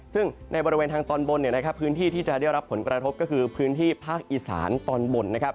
ซึ่งในบริเวณทางตอนบนพื้นที่ที่จะได้รับผลกระทบก็คือพื้นที่ภาคอีสานตอนบนนะครับ